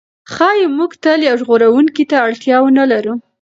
ښایي موږ تل یو ژغورونکي ته اړتیا ونه لرو.